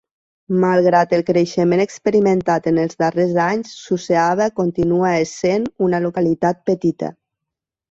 Malgrat el creixement experimentat en els darrers anys, Suceava continua essent una localitat petita.